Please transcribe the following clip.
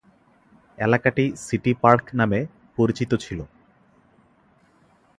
এলাকাটি "city park" নামে পরিচিত ছিল।